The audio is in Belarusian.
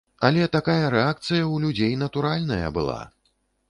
Але такая рэакцыя ў людзей натуральная была!